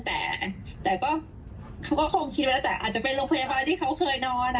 แต่ก็คงคิดว่าอาจจะเป็นโรงพยาบาลที่เขาเคยนอน